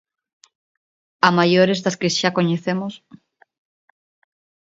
A maiores das que xa coñecemos...